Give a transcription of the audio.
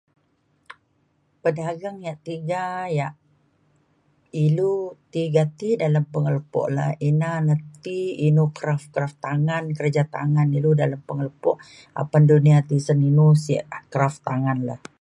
bedagang yak tiga yak ilu tiga ti dalem pengelepo le ina na ti inu kraf kraftangan kerja tangan ilu dalem pengelepo apan dunia tisen inu sek kraftangan le